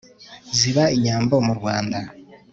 ziba inyambo mu rwanda